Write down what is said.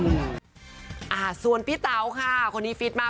อ่าส่วนพี่เต๋าค่ะคนนี้ฟิตมาก